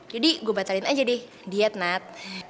jadi gue batalin aja deh diet nat